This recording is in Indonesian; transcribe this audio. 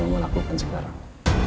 mama lakukan sekarang